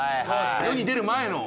世に出る前の。